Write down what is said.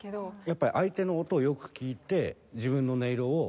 やっぱり相手の音をよく聴いて自分の音色をコントロールする。